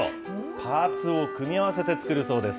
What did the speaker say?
パーツを組み合わせて作るそうです。